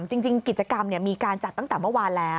จริงกิจกรรมมีการจัดตั้งแต่เมื่อวานแล้ว